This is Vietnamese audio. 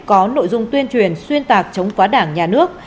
có nội dung tuyên truyền xuyên tạc chống phá đảng nhà nước